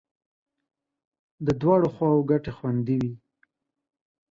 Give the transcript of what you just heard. د دواړو خواو ګټې خوندي وې.